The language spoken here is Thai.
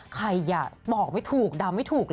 ใครอ่ะบอกไม่ถูกดำไม่ถูก